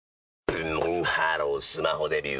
ブンブンハロースマホデビュー！